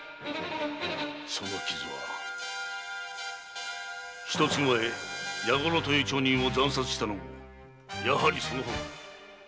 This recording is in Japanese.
その傷は一月前矢五郎という町人を惨殺したのもやはりその方か。